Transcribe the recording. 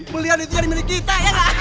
belian itu aja dimiliki kita